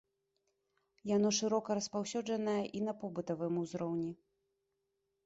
Яно шырока распаўсюджанае і на побытавым узроўні.